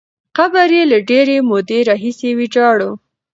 قبر یې له ډېرې مودې راهیسې ویجاړ وو.